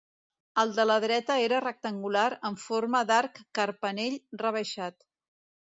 El de la dreta era rectangular en forma d'arc carpanell rebaixat.